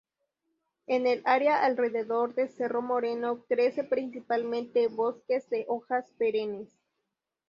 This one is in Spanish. En el área alrededor de Cerro Moreno crece principalmente bosques de hojas perennes.